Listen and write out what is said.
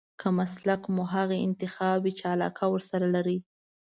که مسلک مو هغه انتخاب وي چې علاقه ورسره لرئ.